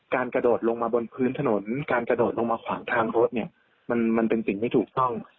กระโดดลงมาบนพื้นถนนการกระโดดลงมาขวางทางรถเนี่ยมันเป็นสิ่งไม่ถูกต้อง